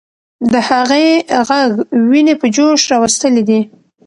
د هغې ږغ ويني په جوش راوستلې دي.